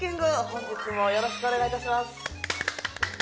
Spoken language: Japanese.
本日もよろしくお願いいたします。